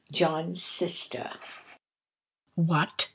JOHN'S SISTER. WHAT!